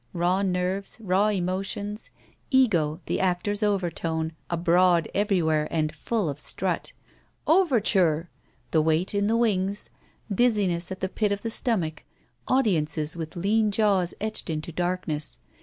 Raw nerves. Raw emotions. Ego, the actor's overtone, abroad everywhere and full of strut. "Overture!" The wait in the wings. Dizziness at the pit of the stomach. Audiences with lean jaws etched into darkness.